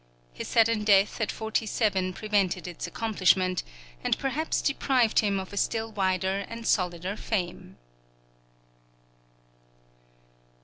His sudden death at forty seven prevented its accomplishment, and perhaps deprived him of a still wider and solider fame.